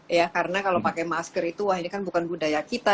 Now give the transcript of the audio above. iya karena kalau pakai masker itu wah ini kan bukan budaya kita